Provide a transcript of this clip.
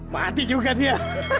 mati juga dia